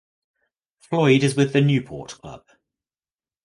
Floyd is with the Newport club.